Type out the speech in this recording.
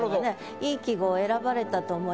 良い季語を選ばれたと思います。